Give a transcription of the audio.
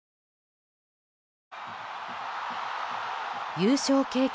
優勝経験